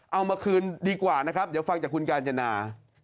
เอามาคืนดีกว่านะครับเดี๋ยวฟังจากคุณกาญจนา